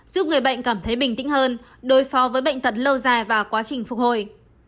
giúp người bệnh cảm thấy bình tĩnh hơn đối phó với bệnh tật lâu dài và quá trình phục hồi